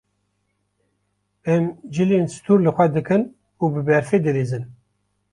Em cilên stûr li xwe dikin û bi berfê dilîzin.